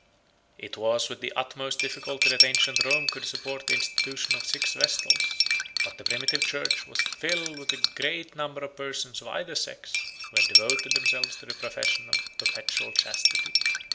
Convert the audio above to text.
It was with the utmost difficulty that ancient Rome could support the institution of six vestals; 94 but the primitive church was filled with a number of persons of either sex, who had devoted themselves to the profession of perpetual chastity.